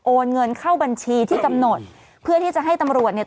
เงินเข้าบัญชีที่กำหนดเพื่อที่จะให้ตำรวจเนี่ย